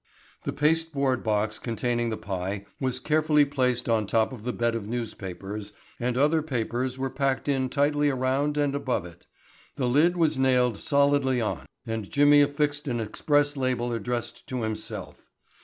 The pasteboard box containing the pie was carefully placed on top of the bed of newspapers and other papers were packed in tightly around and above it. The lid was nailed solidly on and Jimmy affixed an express label addressed to himself.